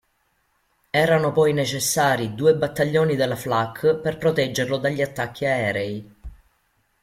Erano poi necessari due battaglioni della FlaK per proteggerlo dagli attacchi aerei.